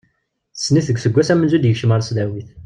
Tessen-it deg useggas amenzu i d-yekcem ɣer tesdawit.